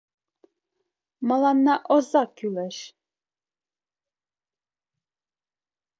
— Мыланна оза кӱлеш!